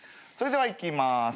それではいきます。